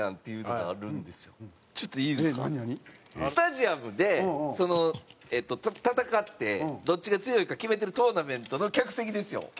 スタジアムでその戦ってどっちが強いか決めてるトーナメントの客席ですよ。